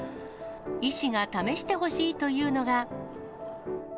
医師が試してほしいというのが。